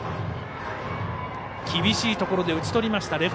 厳しいところで打ち取りました。